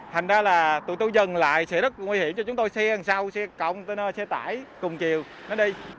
thành ra là tụi tôi dừng lại sẽ rất nguy hiểm cho chúng tôi xe sau xe container xe tải cùng chiều nó đi